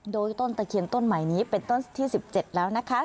โดยต้นตะเคียนต้นใหม่นี้เป็นต้นที่๑๗แล้วนะคะ